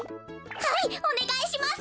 はいおねがいします！